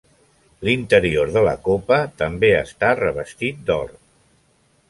L'interior de la copa també està revestit d'or.